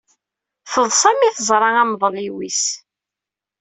Teḍsa mi teẓra amḍelliw-is.